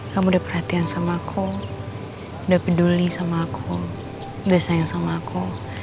kamu udah perhatian samaku udah peduli sama aku udah sayang sama aku